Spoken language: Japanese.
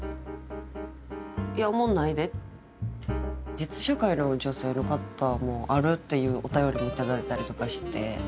実社会の女性の方も「ある」っていうお便りを頂いたりとかして。